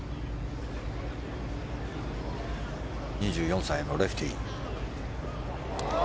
２４歳のレフティー。